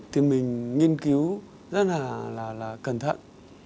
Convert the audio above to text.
thì mình nghiên cứu rất là cẩn thận